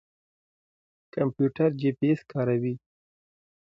کمپيوټر جيپي اېس کاروي.